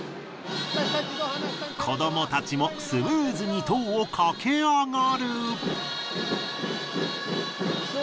子どもたちもスムーズに塔を駆け上がる。